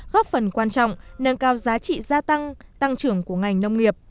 góp phần quan trọng nâng cao giá trị gia tăng tăng trưởng của ngành nông nghiệp